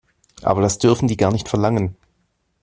Aber das dürfen die gar nicht verlangen.